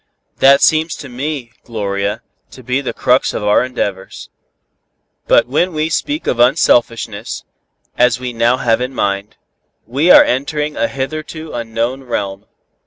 "That seems to me, Gloria, to be the crux of our endeavors. But when we speak of unselfishness, as we now have it in mind, we are entering a hitherto unknown realm.